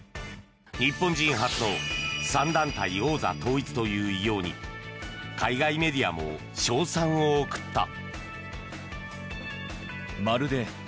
日本人初の３団体王座統一という偉業に海外メディアも称賛を送った。